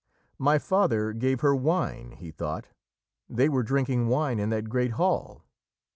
"My father gave her wine," he thought. "They were drinking wine in that great hall.